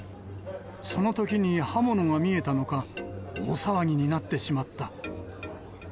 そのときに刃物が見えたのか、大騒ぎになってしまった。